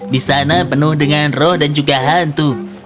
di sana penuh dengan roh dan juga hantu